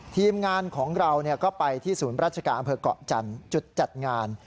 ทีมงานของเราก็ไปที่ศูนย์ราชการอำเภอกเกาะจันทร์จุดจัดงาน